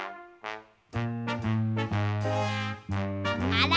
あら？